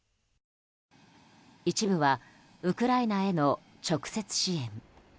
一部はウクライナへの直接支援。